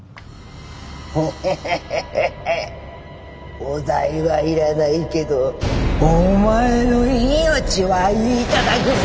フハハハハハお代は要らないけどお前の命は頂くぜ。